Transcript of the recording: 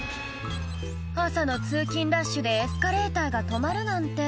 「朝の通勤ラッシュでエスカレーターが止まるなんて」